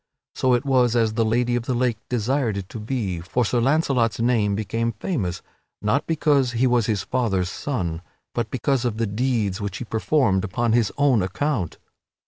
So it was as the Lady of the Lake desired it to be, for Sir Launcelot's name became famous, not because he was his father's son, but because of the deeds which he performed upon his own account.